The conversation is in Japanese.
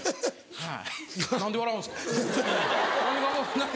はい。